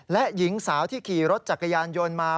และหญิงสาวที่ขี่รถจักรยานยนต์มา